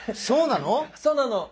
そうなの。